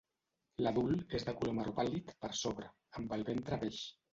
L'adult és de color marró pàl·lid per sobre, amb el ventre beix.